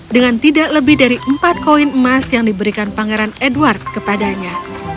dan tidak lebih dari empat koin emas yang diberikan pangeran edward kepadanya